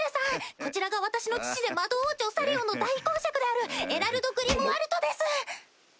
こちらが私の父で魔導王朝サリオンの大公爵であるエラルド・グリムワルトです。